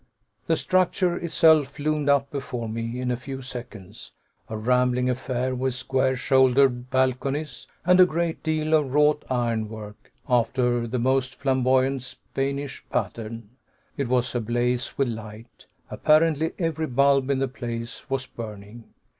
The structure itself loomed up before me in a few seconds, a rambling affair with square shouldered balconies and a great deal of wrought iron work, after the most flamboyant Spanish pattern. It was ablaze with light. Apparently every bulb in the place was burning.